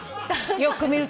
よく見ると。